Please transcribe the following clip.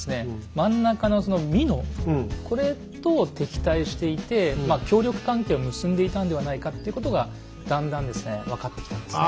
真ん中の美濃これと敵対していてまあ協力関係を結んでいたんではないかっていうことがだんだんですね分かってきたんですね。